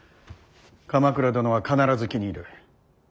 鎌倉殿は必ず気に入る。